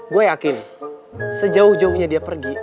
gue yakin sejauh jauhnya dia pergi